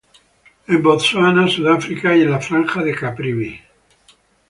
En Botsuana, Sudáfrica y en la Franja de Caprivi.